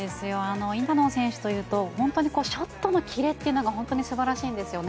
インタノン選手というとショットの切れが本当に素晴らしいんですよね。